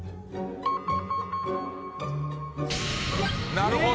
なるほど。